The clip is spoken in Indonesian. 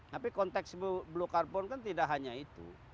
tapi konteks blue carbon kan tidak hanya itu